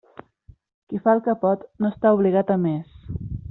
Qui fa el que pot, no està obligat a més.